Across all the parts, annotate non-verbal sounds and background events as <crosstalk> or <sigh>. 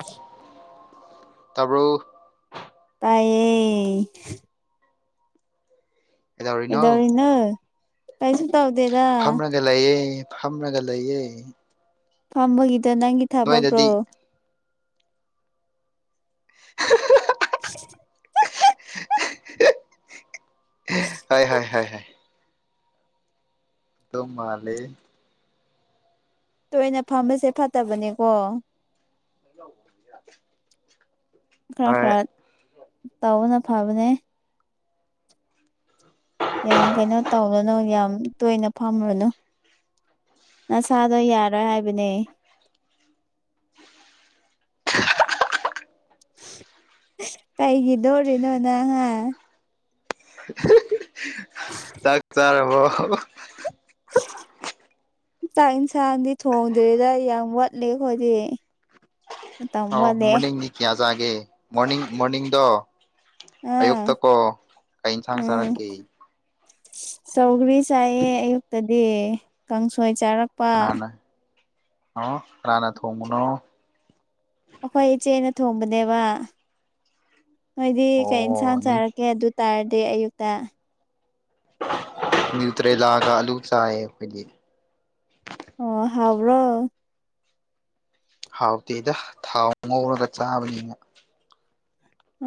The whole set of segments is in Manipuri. ꯑ ꯇꯥꯔꯕꯣ ꯇꯦ ꯀꯩꯗꯧꯔꯤꯅꯣ ꯀꯩꯁꯨ ꯇꯧꯗꯦꯗ ꯐꯝꯔꯒ ꯂꯩꯌꯦ ꯊꯅꯒ ꯂꯩꯌꯦ ꯐꯥꯝꯕꯒꯤꯗ ꯅꯪꯒꯤ ꯊꯥꯕꯕ꯭ꯔꯣ ꯅꯣꯏꯗꯗꯤ <inaudible> ꯆꯠꯇ ꯍ ꯍꯣꯏ ꯍ ꯑꯣꯃꯂꯦ ꯇꯣꯏꯅ ꯐꯝꯕꯁꯦ ꯐꯠꯇꯕꯅꯦꯀꯣ ꯩꯅ ꯈꯔ ꯈꯔ ꯇꯧꯕꯅ ꯐꯕꯅꯦ ꯌꯥꯝ ꯀꯩꯅꯣ ꯇꯧꯗꯅꯨ ꯌꯥꯝ ꯇꯣꯏꯅ ꯐꯝꯔꯨꯅꯨ ꯅꯁꯥꯗꯣ ꯌꯥꯔꯣꯏ ꯍꯥꯏꯕꯅꯦ <inaudible> ꯀꯩꯒꯤꯗꯧꯔꯤꯔꯤ ꯅꯣ ꯅꯪꯉ ꯆꯥꯛ ꯆꯔꯦꯥꯎ <inaudible> ꯇꯥꯛꯟꯁꯥꯡꯗꯤ ꯊꯣꯡꯗ꯭ꯔꯦꯗ ꯌꯥꯝ ꯋꯥꯠꯂꯦ ꯈꯣꯏꯗꯤꯛ ꯃꯇꯝ ꯑ ꯃꯣꯔꯅꯤꯡꯗꯤ ꯀꯌꯥ ꯆꯥꯒꯦ ꯃꯣꯔꯅꯤꯡ ꯃꯣꯔꯅꯤꯡꯗꯣ ꯑꯥ ꯑꯌꯨꯛꯇ ꯀꯣ ꯀ ꯏꯟꯁꯥꯡ ꯆꯥꯔꯛꯀꯦ ꯆꯧꯒ꯭ꯔꯤ ꯆꯥꯏꯑ ꯑꯌꯨꯛꯇꯗꯤ ꯀꯥꯡꯁꯣꯏ ꯆꯥꯔꯛꯄ ꯑ ꯔꯔꯅ ꯊꯣꯡꯉꯅꯣ ꯑꯩꯈꯣꯏ ꯏꯆꯦꯅ ꯊꯣꯡꯕꯅꯦꯕ ꯍꯣꯏꯗꯤ ꯑꯣ ꯀꯩ ꯏꯟꯁꯥꯡ ꯆꯥꯔꯛꯀꯦ ꯑꯗꯨ ꯇꯥꯔꯗꯤ ꯑꯌꯨꯛꯇ ꯅ꯭ꯌꯨꯇ꯭ꯔꯦꯂꯥꯒ ꯑꯂꯨ ꯆꯥꯏꯌꯦ ꯍꯥꯏꯣꯏꯗꯤ ꯑꯣ ꯍꯥꯎ꯭ꯔꯣ ꯍꯥꯎꯇꯦꯗ ꯊꯥꯎ ꯉꯧꯔꯒ ꯆꯥꯕꯅꯤꯅ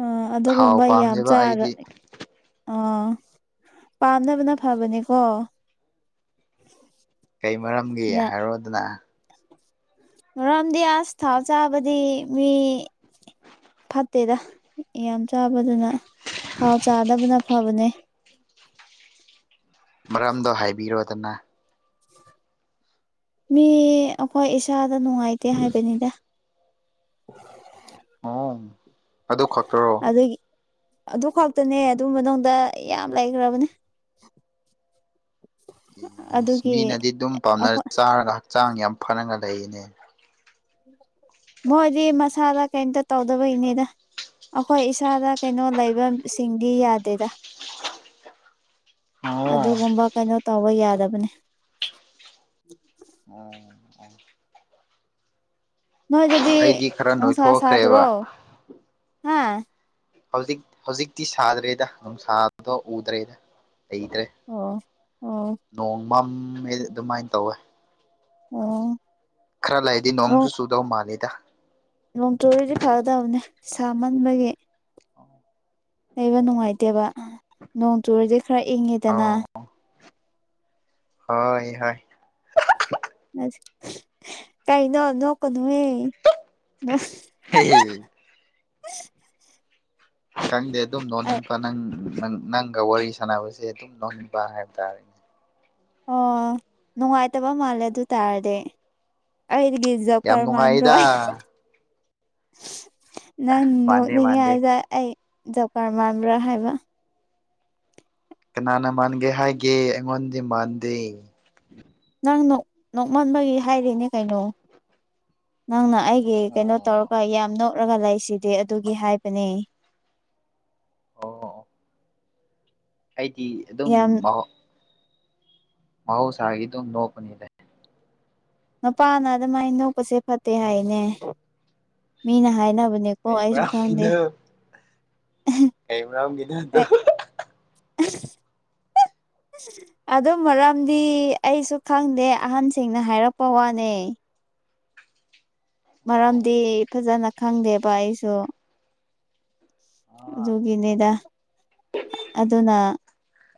ꯑ ꯊꯥꯎ ꯑꯗꯨꯒꯨꯝꯕ ꯌꯥꯝ ꯄꯥꯝꯗꯦꯕ ꯆꯥꯔ ꯑꯩꯗꯤ ꯑꯥ ꯄꯥꯝꯅꯕꯅ ꯐꯕꯅꯤꯀꯣ ꯀꯩ ꯃꯔꯝꯒꯤ ꯍꯥꯏꯔꯣꯗꯅ ꯃꯔ ꯔꯝꯗꯤ ꯑꯁ ꯊꯥꯎꯆꯥꯕꯗꯤ ꯃꯤ ꯑꯠꯇꯦꯗ ꯌꯥꯝ ꯆꯥꯕꯗꯨꯅ ꯊꯥꯎ ꯆꯥꯗꯕꯅ ꯐꯕꯅꯦ ꯃꯔꯝꯗꯣ ꯍꯥꯏꯕꯤꯔꯣꯗꯅ ꯃꯤ ꯑꯩꯈꯣꯏ ꯏꯁꯥꯗ ꯅꯨꯡꯉꯥꯏꯇꯦ ꯍꯥꯏꯕꯅꯤꯗ <inaudible> ꯎ ꯑꯗꯨ ꯈꯛꯇꯔꯣ ꯑꯗꯨꯒꯤ ꯑꯗꯨ ꯈꯛꯇꯅꯦ ꯑꯗꯨ ꯃꯅꯨꯡꯗꯗ ꯌꯥꯝ ꯂꯩꯈ꯭ꯔꯕꯅꯦ ꯑꯦ ꯑꯗꯨꯒꯤ ꯃꯤꯅꯗꯤ ꯑꯗꯨꯝ ꯄꯥꯝꯅꯔ ꯑꯩꯈꯣꯏ ꯆꯥꯔꯒ ꯍꯛꯆꯥꯡ ꯌꯥꯝ ꯐꯔꯒ ꯂꯩꯅꯦ ꯃꯣꯏꯗꯤ ꯃꯁꯥꯗ ꯀꯩꯇ ꯇꯧꯗꯕꯩꯅꯦꯗ ꯑꯩꯈꯣꯏ ꯏꯁꯥꯗ ꯀꯩꯅꯣ ꯂꯩꯕ ꯁꯤꯡꯗꯤ ꯌꯥꯗꯦꯗ ꯑꯣ ꯑꯗꯨꯒꯨꯝꯕ ꯀꯩꯅꯣ ꯇꯧꯕ ꯌꯥꯗꯕꯅꯦ ꯑꯣ ꯅꯣꯏꯗꯗꯤ ꯑꯩꯗꯤ ꯈꯔ ꯅꯨꯡꯁꯥ ꯅꯣꯏꯊꯣꯛꯈ꯭ꯔꯦꯕ ꯁꯥꯗ꯭ꯔꯣ ꯍꯥ ꯍꯧꯖꯤꯛ ꯍꯧꯖꯤꯛꯇꯤ ꯁꯥꯗ꯭ꯔꯦꯗ ꯅꯨꯡꯁꯥꯕꯗꯣ ꯎꯗ꯭ꯔꯦꯗ ꯂꯩꯇ꯭ꯔꯦ ꯑꯣ ꯑꯣ ꯅꯣꯡꯃꯝꯃꯦ ꯑꯗꯨꯃꯥꯏꯅ ꯇꯧꯋꯦ ꯎꯝ ꯈꯔ ꯂꯩꯗꯤ ꯅꯣꯡꯁꯨ ꯆꯨꯗꯧ ꯃꯥꯜꯂꯤꯗ ꯅꯣꯡ ꯇꯨꯗꯤ ꯐꯒꯗꯕꯅꯦ ꯁꯥ ꯃꯟꯕꯒꯤ ꯂꯩꯕ ꯑꯣ ꯅꯨꯡꯉꯥꯏꯇꯦꯕ ꯅꯣꯡ ꯆꯨꯔꯗꯤ ꯈꯔ ꯏꯪꯉꯤꯗꯅ ꯑꯣ ꯍꯣꯏ ꯍꯣꯏ ꯀꯥꯏꯩꯅꯣ ꯅꯣꯛꯀ ꯅꯨꯍꯦ ꯍ ꯈꯪꯗꯦ ꯑꯗꯨꯝꯗꯣ ꯅꯪ ꯄ ꯅꯪ ꯅꯪ ꯅꯪꯒ ꯋꯥꯔꯤ ꯁꯥꯟꯅꯕꯁꯦ ꯑꯗꯨꯝ ꯅꯍꯟꯕ ꯍꯥꯏꯕ ꯇꯥꯔꯦꯅꯦ ꯑꯣ ꯅꯨꯡꯉꯥꯏꯇꯕ ꯃꯥꯜꯂꯦ ꯑꯗꯨ ꯇꯔꯗꯤ ꯌꯥꯝ ꯅꯨꯡꯉꯥꯏꯗ ꯑꯩꯗꯒꯤꯖꯕꯀꯔꯃꯥꯟꯗꯣꯏ ꯃꯥꯟꯗꯦ ꯅꯪꯅꯤꯡꯉꯦ ꯃꯥꯟꯗꯦ ꯍꯥꯏꯖ ꯑꯩ ꯖꯕꯀꯔ ꯃꯥꯟꯕ꯭ꯔꯥ ꯍꯥꯏꯕ ꯀꯅꯥꯅ ꯃꯥꯟꯒꯦ ꯍꯥꯏꯒꯦ ꯑꯩꯉꯣꯟꯗꯤ ꯃꯥꯟꯗꯦ ꯅꯪ ꯅꯣꯛꯃꯟꯕꯒꯤ ꯍꯥꯏꯔꯤꯅꯦ ꯀꯩꯅꯣ ꯅꯪꯅ ꯑꯩꯒꯤ ꯀꯩꯅꯣ ꯑꯣ ꯇꯧꯔꯒ ꯌꯥꯝ ꯅꯣꯛꯂꯒ ꯂꯩꯁꯤꯗꯤ ꯑꯗꯨꯒꯤ ꯍꯥꯏꯕꯅꯦ ꯑꯣ ꯑꯩꯗꯤ ꯑꯗꯨꯝ ꯌꯥꯝ ꯃꯍ ꯃꯎꯁꯒ ꯑꯗꯨ ꯅꯣꯛꯄꯅꯤꯗ ꯅꯨꯄꯥꯅ ꯑꯗꯨꯃꯥꯏꯅ ꯅꯣꯛꯄꯁꯦ ꯐꯠꯇꯦ ꯍꯥꯏꯅꯦ ꯃꯤꯅ ꯍꯥꯏꯅꯕ ꯅꯤꯀꯣ ꯀꯩ ꯑꯏꯁꯨꯈꯦ ꯃꯔꯝꯒꯤꯅꯣ ꯀꯩ ꯔꯝ ꯀꯗꯠꯇ <unintelligible> ꯑꯗꯨ ꯃꯔꯝꯗꯤ ꯑꯩꯁꯨ ꯈꯪꯗꯦ ꯑꯍꯟꯁꯤꯡꯅ ꯍꯥꯏꯔꯛꯄ ꯋꯥꯅꯦ ꯑꯣ ꯃꯔꯝꯗꯤ ꯐꯖꯅ ꯈꯪꯗꯦꯕ ꯑꯩꯁꯨ ꯑꯥ ꯑꯗꯨꯒꯤꯅꯦꯗ ꯑꯗꯨꯅ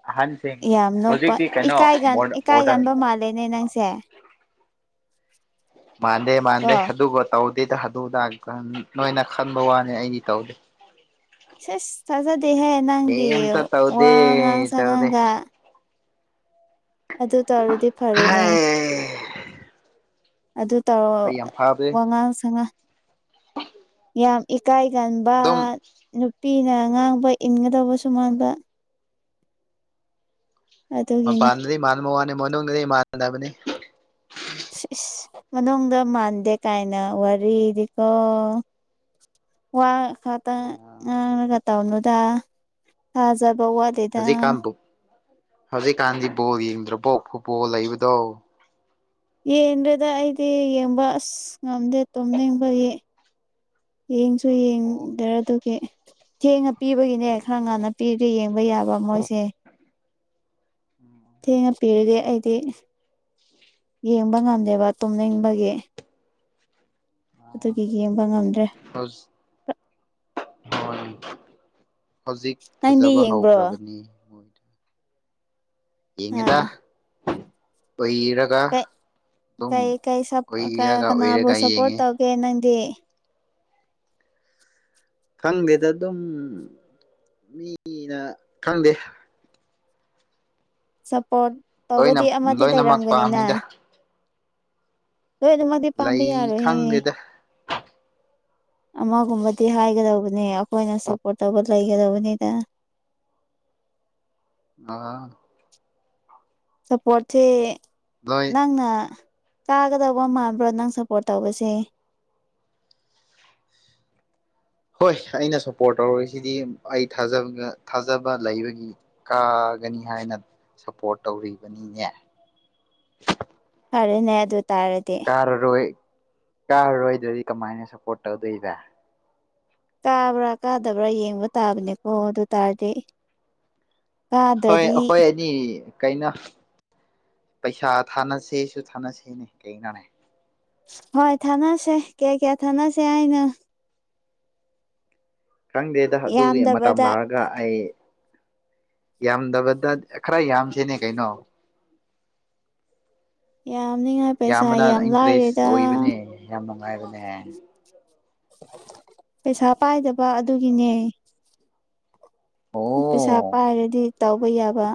ꯑꯍꯟꯁꯤꯡ ꯌꯥꯝ ꯅꯄ ꯍꯧꯖꯤꯛꯇꯤ ꯀꯩꯅꯣ ꯏꯀꯥꯏꯒꯥꯟ ꯃꯣꯗꯔꯟ ꯏꯀꯥꯏꯒꯥꯟꯕ ꯃꯥꯜꯂꯦꯅꯦ ꯅꯪ ꯁꯦ ꯃꯥꯗꯦ ꯃꯥꯥꯟꯗꯦ ꯑꯗꯨ ꯑꯗꯨꯒꯠꯇꯥꯎꯗ ꯑꯇꯩꯇ ꯊꯗꯣꯛꯎ ꯇ ꯅꯣꯏꯅ ꯈꯟꯕ ꯋꯥꯅꯤ ꯑꯩꯗꯤ ꯇꯧꯗꯦ ꯁꯁ ꯊꯥꯖꯗꯦꯍꯦ ꯅꯪꯗꯤ ꯀꯩꯝꯇ ꯇꯧꯗꯦ ꯋꯥ ꯉꯥꯡ ꯇꯧꯗꯦ ꯁꯥꯉꯥꯡꯒ ꯑꯗꯨ ꯇꯧꯔꯗꯤ ꯐꯔꯦꯅꯦ ꯍꯩ ꯑꯗꯨ ꯇꯧꯔ ꯑꯩ ꯌꯥꯝ ꯐꯕꯅꯦ ꯋꯥꯉꯥꯡ ꯁꯉꯥ ꯌꯥꯝ ꯏꯀꯥꯏꯒꯕ ꯑꯗꯨꯝ ꯅꯨꯄꯤꯅ ꯉꯥꯡꯕ ꯏꯟꯒꯗꯧꯕ ꯁꯨ ꯃꯥꯟꯕ ꯑꯗꯨꯒꯤꯅꯦ ꯃꯄꯥꯟꯗꯗꯤ ꯃꯥꯟꯕ ꯋꯥꯅꯤ ꯃꯅꯨꯡꯗꯗꯤꯃꯥꯟꯅꯗꯕꯅꯤ ꯏꯁ ꯏꯁ ꯃꯅꯨꯡꯗ ꯃꯥꯟꯗꯦ ꯀꯥꯏꯅ ꯋꯥꯔꯤꯗꯤꯀꯣ ꯋꯥ ꯈꯇ ꯑ ꯈ ꯇꯅꯗ ꯊꯥꯖ ꯧꯋꯥꯗꯦꯗ ꯍꯧꯖꯤꯛꯀꯥꯟꯕꯨ ꯍꯧꯖꯤꯛꯀꯥꯟꯗꯤ ꯕꯣꯜ ꯌꯦꯡꯗ꯭ꯔꯕꯣ ꯐꯨꯠꯕꯣꯜ ꯂꯩꯕꯗꯣ ꯌꯦꯟꯗ꯭ꯔꯗ ꯑꯩꯗꯤ ꯌꯦꯡꯕ ꯑꯁ ꯉꯝꯗꯦ ꯇꯨꯝꯅꯤꯡꯕꯒꯤ ꯌꯦꯡꯁꯨ ꯌꯦꯡꯗꯔ ꯑꯗꯨꯒꯤ ꯊꯦꯡꯉ ꯄꯤꯕꯒꯤꯅꯦ ꯈꯔ ꯉꯥꯟꯅ ꯄꯤꯗ ꯌꯦ ꯆꯝꯕ ꯌꯥꯕ ꯃꯣꯏꯁꯦ ꯊꯦꯡꯅ ꯄꯤꯔꯒꯦ ꯑꯩꯗꯤ ꯌꯦꯡꯕ ꯉꯝꯗꯦꯕ ꯇꯨꯝꯅꯤꯡꯕꯒꯤ ꯑꯗꯨꯒꯤ ꯌꯦꯡꯕ ꯉꯝꯗ꯭ꯔꯦ ꯍꯣꯏ ꯍꯧꯖꯤꯛ ꯅꯪꯗꯤ ꯐꯖꯕ ꯌꯦꯡꯕ꯭ꯔꯣ ꯍꯧꯈ꯭ꯔꯕꯅꯤ ꯃꯣꯏꯗ ꯑ ꯏꯉꯗ ꯑꯗꯨꯝ ꯀꯩ ꯀꯩ ꯑꯣꯏꯔꯒ ꯀꯅꯥꯕꯨ ꯑꯣꯏꯔꯒ ꯁꯄꯣꯔꯠ ꯌꯦꯡꯉꯦ ꯇꯧꯒꯦ ꯅꯪꯗꯤ ꯈꯪꯗꯦꯗ ꯑꯗꯨꯝ ꯃꯤꯅ ꯈꯪꯗꯦ ꯁꯞꯄꯣꯔꯠ ꯂꯣꯏꯅ ꯇꯧꯕꯗꯤ ꯑꯃꯗꯤ ꯂꯣꯏꯅꯃꯛ ꯂꯩꯔꯝꯒꯅꯤꯅ ꯄꯥꯝꯃꯤꯗ ꯍꯣꯏ ꯑꯗꯨꯃꯗꯤ ꯂꯩ ꯄꯝꯕꯤꯔ ꯍꯦ ꯈꯪꯗꯦꯗ ꯑꯃꯒꯨꯝꯕꯗꯤ ꯍꯥꯏꯒꯗꯧꯕ ꯑꯩꯈꯣꯏꯅ ꯁꯄꯣꯠ ꯇꯧꯕ ꯂꯩꯒꯦꯗꯧꯕꯅꯤꯗ ꯑꯥ ꯁꯞꯄꯣꯔꯠꯁꯦ ꯂꯣꯏ ꯅꯪꯅ ꯆꯥꯒꯗꯧꯕ ꯃꯥꯟꯕ꯭ꯔꯣ ꯅꯪ ꯁꯄꯣꯔꯠ ꯇꯧꯕꯁꯦ ꯍꯣꯏ ꯑꯩꯅ ꯁꯄꯣꯔꯠ ꯇꯧꯔꯔꯤꯁꯤꯗꯤ ꯑꯩ ꯊꯥꯖ ꯊꯥꯖꯕ ꯂꯩꯕꯒꯤ ꯀ ꯐꯒꯅꯤ ꯍꯥꯏꯅ ꯁꯞꯄꯣꯔꯠ ꯇꯧꯔꯤꯕꯅꯤꯅꯦ ꯐꯔꯦꯅꯦ ꯑꯗꯨ ꯇꯥꯔꯗꯤ ꯀꯥꯔꯔꯣꯏ ꯀꯥꯔꯔꯣꯏꯗ꯭ꯔꯗꯤ ꯀꯃꯥꯏꯅ ꯁꯞꯄꯣꯔꯠ ꯇꯧꯗꯣꯏꯕ ꯀꯥꯕ꯭ꯔꯥ ꯀꯥꯗꯕ꯭ꯔꯥ ꯌꯦꯡꯕ ꯇꯥꯕꯅꯦꯀꯣ ꯑꯗꯨ ꯇꯔꯗꯤ ꯍ ꯍꯣꯏ ꯑꯦꯅꯤ ꯀꯩꯅ ꯄꯩꯁꯥ ꯊꯥꯅꯁꯦꯁꯨ ꯊꯥꯅꯁꯦꯅꯦ ꯀꯩꯅꯅꯦ ꯍꯣꯏ ꯊꯥꯅꯁꯦ ꯀꯌꯥ ꯀꯌꯥ ꯊꯥꯅꯁꯦ ꯍꯥꯏꯅꯣ ꯈꯪꯗꯦꯗ ꯑꯗꯨꯒꯤ ꯃꯇꯝ ꯌꯥꯝꯗꯕꯗ ꯂꯥꯛꯂꯒ ꯑꯩ ꯌꯥꯝꯗꯕꯗ ꯈꯔ ꯌꯥꯝꯁꯤꯅꯦ ꯀꯩꯅꯣ ꯌꯥꯝꯅꯤꯉꯥꯏ ꯄꯩꯁꯥ ꯌꯥꯝꯕꯅ ꯌꯥꯝ ꯏꯟꯇꯔꯦꯁ ꯂꯥꯏꯔꯦꯗ ꯑꯣꯏꯕꯅꯦ ꯌꯥꯝ ꯅꯨꯡꯉꯥꯏꯕꯅꯦ ꯄꯩꯁꯥ ꯄꯥꯏꯗꯕ ꯑꯗꯨꯒꯤꯅꯦ ꯑꯣ ꯄꯩꯁꯥ ꯄꯥꯏꯔꯗꯤ ꯇꯧꯕ ꯌꯥꯕ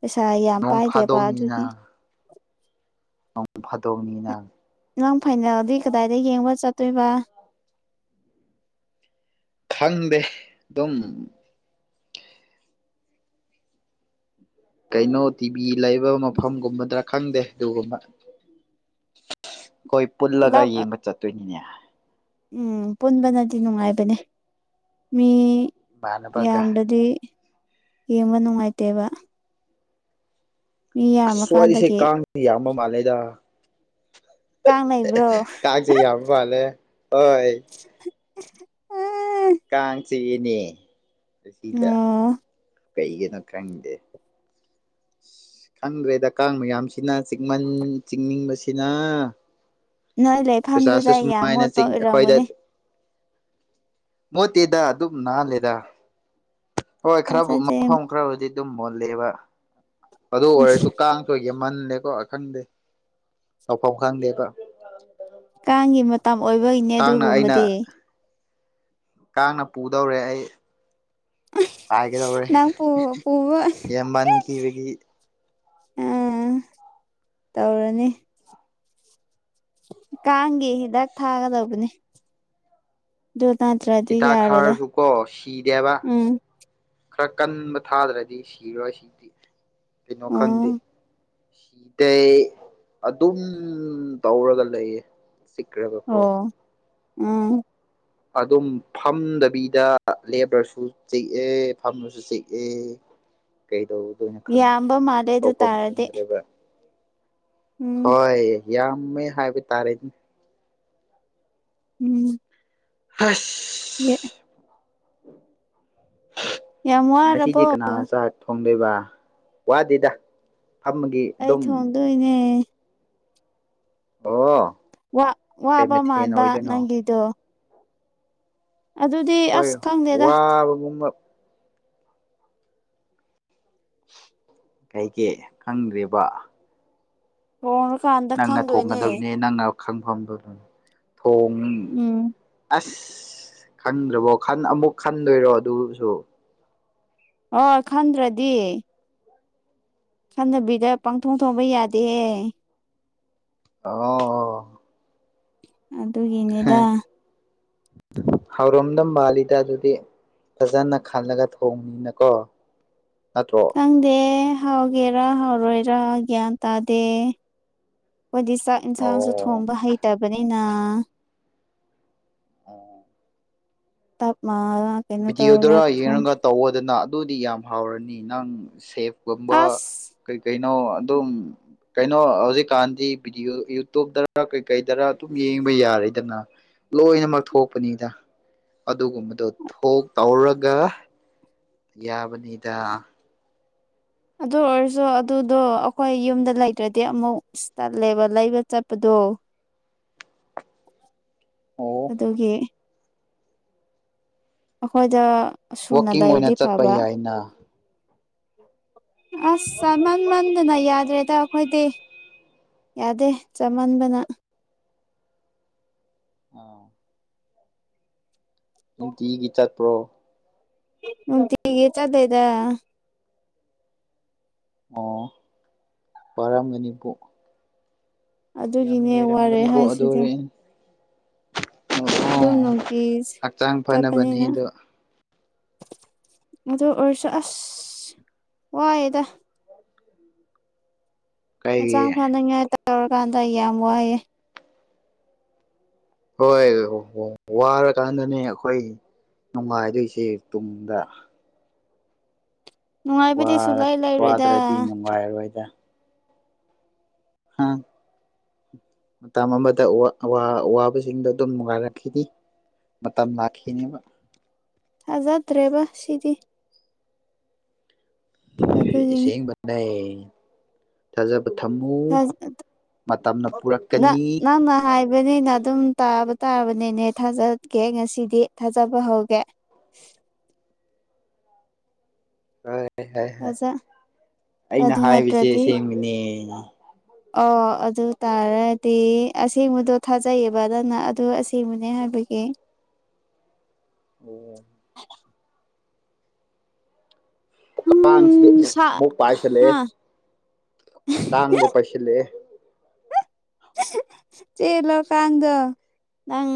ꯄꯩꯁꯥ ꯌꯥꯝ ꯅꯣꯡ ꯄꯥꯏꯗꯦꯕ ꯑꯗꯨꯒꯤ ꯅꯣꯡ ꯐꯥꯗꯣꯛꯅꯤꯅꯪ ꯅꯪ ꯐꯥꯏꯅꯦꯜꯗꯤ ꯀꯗꯥꯏꯗ ꯌꯦꯡꯕ ꯆꯠꯇꯣꯏꯕ ꯈꯪꯗꯦ ꯑꯗꯨꯝ ꯀꯩꯅꯣ ꯇꯤꯚꯤ ꯂꯩꯕ ꯃꯐꯝꯒꯨꯝꯕꯗ꯭ꯔꯥ ꯈꯪꯗꯦ ꯑꯗꯨꯒꯨꯝꯕ ꯑꯩꯈꯣꯏ ꯄꯨꯜꯂꯒ ꯄꯨꯂꯞ ꯌꯦꯡꯕ ꯆꯠꯇꯣꯏꯅꯤꯅꯦ ꯎꯝ ꯄꯨꯟꯕꯅꯗꯤ ꯅꯨꯡꯉꯥꯏꯕꯅꯦ ꯃꯤ ꯏꯃꯥꯟꯅꯕꯒ ꯌꯥꯝꯗꯗꯤ ꯌꯦꯡꯕ ꯅꯨꯡꯉꯥꯏꯇꯦꯕ ꯃꯤ ꯑꯁ ꯋꯥꯔꯤꯁꯦ ꯌꯥꯝꯔꯀꯥꯟꯗꯒꯤ ꯀꯥꯡꯁꯦ ꯌꯥꯝꯕ ꯃꯥꯜꯂꯦꯗ ꯀꯥꯡ ꯂꯩꯕ꯭ꯔꯣ ꯀꯥꯡꯁꯦ ꯌꯥꯝ ꯃꯥꯜꯂꯦ ꯍꯣꯏ ꯀꯥꯡ ꯆꯤꯛ ꯏꯅꯦ ꯑ ꯀꯩꯒꯅ ꯈ꯭ꯔꯪꯗꯦ <inaudible> ꯈꯪꯗ꯭ꯔꯦꯗ ꯀꯥꯡ ꯃꯌꯥꯝꯁꯤꯅ ꯆꯤꯛꯃꯟ ꯆꯤꯛꯅꯤꯡꯕꯁꯤꯅ ꯅꯣꯏ ꯄꯩꯁꯥꯁꯦ ꯂꯩꯐꯝꯗꯨꯗ ꯌꯥꯝ ꯁꯨꯃꯥꯏꯅ ꯃꯣꯠꯄ ꯆꯤꯡ ꯑꯩꯈꯣꯏꯗ ꯑꯣꯏꯔꯝꯒꯅꯤ ꯃꯣꯠꯇꯦꯗ ꯑꯗꯨꯝ ꯅꯥꯍꯜꯂꯦꯗ ꯍꯣꯏ ꯈꯔꯕꯨ ꯊꯥꯖꯗꯦ ꯃꯐꯝ ꯈꯔꯕꯨꯗꯤ ꯑꯗꯨꯝ ꯃꯨꯜꯂꯦꯕ ꯑꯗꯨ ꯑꯣꯏꯔꯁꯨ ꯀꯥꯡꯊ ꯌꯥꯝꯃꯜꯂꯦꯀꯣ ꯈꯪꯗꯦ ꯇꯧꯐꯝ ꯈꯪꯗꯦꯀꯣ ꯑꯉꯥꯡꯒꯤ ꯃꯇꯝ ꯑꯣꯏꯕꯒꯤꯅꯦ ꯑꯩꯅ ꯑꯗꯨꯒꯨꯝꯕꯗꯤ ꯀꯥꯡꯅ ꯄꯨꯗꯧꯔꯦ ꯑꯩ ꯍꯥꯏꯥꯏꯒ ꯇꯧꯔꯦ ꯅꯪ ꯄꯨ ꯄꯨꯕ ꯌꯦꯕꯥꯟ ꯀꯕ ꯑꯥ ꯇꯧꯔꯅꯤ ꯀꯥꯡꯒꯤꯦ ꯍꯤꯗꯥꯛ ꯊꯥꯒꯗꯧꯕꯅꯦ ꯁꯤꯇꯥ ꯈꯥꯔꯁꯨꯨꯀ ꯁꯤꯗꯦꯕ ꯎꯝ ꯈꯔ ꯀꯟꯕ ꯊꯥꯗ꯭ꯔꯗꯤ ꯁꯤꯔꯣꯏ ꯁꯤꯗꯤ ꯀꯩꯅꯣ ꯈꯪꯗꯦ ꯎꯝ ꯁꯤꯗꯩ ꯑꯗꯨꯝ ꯇꯧꯔꯒ ꯂꯩꯌꯦ ꯁꯤꯛ꯭ꯔꯒꯀꯣ ꯑꯣ ꯎꯝ ꯑꯗꯨꯝ ꯐꯝꯗꯕꯤꯗ ꯂꯦꯞ꯭ꯔꯁꯨ ꯆꯤꯛꯑꯦ ꯐꯝꯃꯁꯨ ꯆꯤꯛꯑꯦ ꯀꯩꯗꯧꯗꯣꯏꯅꯣ ꯈꯪꯗ꯭ꯔꯦ ꯌꯥꯝꯕ ꯃꯥꯜꯂꯦ ꯑꯗꯨ ꯇꯧꯐꯝ ꯇꯥꯔꯗꯤ ꯈꯪꯗ꯭ꯔꯦꯕ ꯎꯝ ꯍꯣꯏ ꯌꯥꯝꯃꯦ ꯍꯥꯏꯕ ꯇꯥꯔꯦꯅꯦ ꯎꯝ ꯑꯁ ꯌꯦ ꯌꯥꯝ ꯉꯁꯤꯗꯤ ꯋꯥꯔꯕꯣ ꯀꯅꯥ ꯁꯥ ꯍꯥ ꯊ ꯈꯪꯗꯣꯏꯕ ꯋꯥꯗꯦꯗ ꯐꯝꯃꯒꯤ ꯑꯩ ꯑꯗꯨꯝ ꯊꯣꯡꯗꯣꯏꯅꯦ ꯑꯣ ꯋꯥ ꯀꯩ ꯃꯊꯦꯜ ꯋꯥꯕꯃꯗ ꯑꯣꯏꯗꯣꯏꯅꯣ ꯅꯪꯒꯗꯨ ꯑꯗꯨꯗꯤ ꯍꯣꯏ ꯑꯁ ꯈꯪꯗꯦꯗ ꯋꯥꯕꯒꯨꯝꯕ ꯀꯩꯒꯤꯦ ꯈꯪꯗ꯭ꯦꯔꯤꯕ ꯍ ꯅꯪꯅ ꯊꯣꯡꯒꯗꯕꯅꯦ ꯅꯪꯅ ꯈꯪꯐꯝꯗꯨ ꯑꯗꯨꯝ ꯊꯣꯡꯉ ꯎꯝ ꯑꯁ ꯑ ꯈꯪꯗ꯭ꯔꯕꯣ ꯑꯃꯨꯛ ꯈꯟꯗꯣꯏꯔꯣ ꯑꯗꯨꯁꯨ ꯍꯣꯏ ꯈꯪꯗ꯭ꯔꯗꯤ ꯁꯥꯟꯅꯕꯤꯗ ꯄꯪꯊꯣꯡ ꯊꯣꯡꯕ ꯌꯥꯗꯦꯍꯦ ꯑ ꯑꯗꯨꯒꯤꯅꯤꯗ ꯍꯧꯔꯣꯝꯗꯝ ꯃꯥꯜꯂꯤꯗ ꯑꯗꯨꯗꯤ ꯐꯖꯅ ꯈꯜꯂꯒ ꯊꯣꯡꯅꯤꯅꯀꯣ ꯅꯠꯇ꯭ꯔꯣ ꯈꯪꯗꯦ ꯍꯥꯎꯒꯦꯔ ꯍꯥꯎꯔꯣꯏꯔ ꯒ꯭ꯌꯥꯟ ꯇꯥꯗꯦ ꯑꯩꯈꯣꯏꯗꯤ ꯆꯥꯛ ꯏꯟꯁꯥꯡꯁꯨ ꯑꯣ ꯊꯣꯡꯕ ꯍꯩꯇꯕꯅꯤꯅ ꯑ ꯇꯥ ꯚꯗꯤꯑꯣꯗꯨꯔ ꯌꯦꯡꯉꯒ ꯇꯧꯋꯗꯅ ꯑꯗꯨꯗꯤ ꯌꯥꯝ ꯍꯥꯎꯔꯅꯤ ꯅꯪ ꯁꯦꯞꯀꯨꯝꯕ ꯑꯁ ꯀꯩ ꯀꯩꯅꯣ ꯑꯗꯨꯝ ꯀꯩꯅꯣ ꯍꯧꯖꯤꯛꯀꯥꯟꯗꯤ ꯚꯗꯤꯑꯣ ꯌꯨꯇꯨꯕꯇꯔ ꯀꯩꯀꯩꯗꯔ ꯑꯗꯨꯝ ꯌꯦꯡꯕ ꯌꯥꯔꯦꯗꯅ ꯂꯣꯏꯅꯃꯛ ꯊꯣꯛꯄꯅꯤꯗ ꯑꯗꯨꯒꯨꯝꯕꯗꯣ ꯊꯣꯛ ꯇꯧꯔꯒ ꯌꯥꯕꯅꯤꯗ ꯑꯗꯨ ꯑꯣꯏꯔꯁꯨ ꯑꯗꯨꯗꯣ ꯑꯩꯈꯣꯏ ꯌꯨꯝꯗ ꯂꯩꯇ꯭ꯔꯗꯤ ꯑꯃꯨꯛ ꯇꯜꯂꯦꯕ ꯂꯩꯕ ꯆꯠꯄꯗꯣ ꯑꯣ ꯑꯣ ꯑꯗꯨꯒꯤ ꯑꯩꯈꯣꯏꯗ ꯁꯨꯅ ꯋꯥꯛꯀꯤꯡ ꯑꯣꯏꯅ ꯂꯩꯔꯤꯗꯤ ꯆꯠꯄ ꯐꯕ ꯌꯥꯏꯅ ꯑꯁ ꯆꯥ ꯃꯟ ꯃꯟꯗꯅ ꯌꯥꯗ꯭ꯔꯦꯗ ꯑꯩꯈꯣꯏꯗꯤ ꯌꯥꯗꯦ ꯆꯃꯟꯕꯅ ꯑꯥ ꯅꯨꯡꯇꯤꯒꯤ ꯆꯠꯄ꯭ꯔꯣ ꯃꯒ ꯌꯦ ꯆꯗꯩꯗ ꯑꯣ ꯄꯔꯝꯒꯅꯤꯕꯨ ꯑꯗꯨꯒꯤꯅꯦ ꯋꯥꯔꯦ ꯑꯗꯨ ꯍꯥꯏꯁꯤꯗ ꯑꯣ ꯗ ꯅꯇꯤꯁ ꯍꯛꯆꯥꯡ ꯐꯅꯕꯅꯤ ꯆꯄꯅꯤꯅ ꯑꯗꯣ ꯑꯗꯨ ꯑꯣꯏꯔꯁꯨ ꯑꯁ ꯋꯥꯏꯑꯦꯗ ꯀꯩꯒꯤ ꯍꯛꯆꯥꯡ ꯐꯅꯉꯥꯏ ꯇꯧꯔꯀꯥꯟꯗ ꯑꯩ ꯌꯥꯝ ꯋꯥꯏꯑꯦ ꯍꯣꯏ ꯋꯥꯔꯀꯥꯟꯗꯅꯦ ꯑꯩꯈꯣꯏ ꯅꯨꯡꯉꯥꯏꯗꯣꯏꯁꯦ ꯇꯨꯡꯗ ꯅꯨꯡꯉꯥꯏꯕꯗꯤ ꯋꯥꯔ ꯁꯨꯡꯂꯩ ꯂꯩꯔꯣꯏꯗ ꯋꯥꯗ꯭ꯔꯗꯤ ꯅꯨꯡꯉꯥꯏꯔꯣꯏꯗ ꯍꯥꯥ ꯃꯇꯝ ꯑꯃꯗ ꯑꯕꯁꯤꯡꯗꯣ ꯑꯗꯨꯝ ꯅꯨꯡꯉꯥꯏꯔꯛꯈꯤꯅꯤ ꯃꯇꯝ ꯂꯥꯛꯈꯤꯅꯦꯕ ꯊꯥꯖꯗ꯭ꯔꯦꯕ ꯁꯤꯗꯤ ꯑꯗꯨꯒꯤꯅꯤ ꯁꯦꯡ ꯊꯖ ꯄꯨꯔꯛꯀꯅꯤ ꯅꯪ ꯅ ꯍꯥꯏꯕꯅꯤꯅ ꯑꯗꯨꯝ ꯇꯥꯕ ꯇꯥꯕꯅꯤꯅꯦ ꯊꯥꯖꯀꯦ ꯉꯁꯤꯗꯤ ꯊꯥꯖꯕ ꯍꯧꯒꯦ ꯍꯣꯏ ꯍꯣꯏ ꯍꯣꯏꯣꯏ ꯊꯥꯖ ꯑꯩꯅ ꯑꯗꯨ ꯅꯠꯇ꯭ꯔꯗꯤ ꯍꯥꯏꯕꯁꯦꯁꯦꯡꯕꯅꯦ ꯑꯣ ꯑꯗꯨ ꯇꯥꯔꯗꯤ ꯑꯁꯦꯡꯕꯗꯣ ꯊꯥꯖꯩꯌꯦꯕ ꯅꯪꯅ ꯑꯗꯨ ꯑꯁꯦꯡꯕꯅꯦ ꯍꯥꯏꯕꯒꯤ ꯑꯦꯦ ꯑꯣ ꯀꯥꯡꯁꯤꯗꯤ ꯎꯝ ꯁꯥ ꯑꯃꯨꯛ ꯄꯥꯏꯁꯤꯜꯂꯦ ꯍꯥ ꯀꯥꯡꯗꯣ ꯄꯥꯏꯁꯤꯜꯂꯦ ꯆꯦꯜꯂꯣꯀꯥꯟꯗ ꯅꯪ